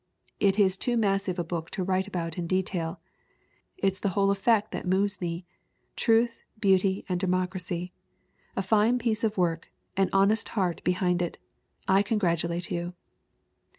It is too massive a book to write about in detail; it's the whole effect that moves me : truth, beauty and democracy. A fine piece of work an honest heart behind it. I congratulate you."